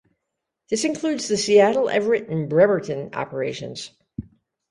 This included the Seattle, Everett and Bremerton operations.